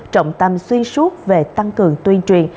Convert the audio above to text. trọng tâm xuyên suốt về tăng cường tuyên truyền